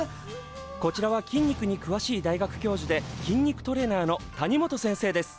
こちらは筋肉にくわしい大学教授で筋肉トレーナーのタニモト先生です。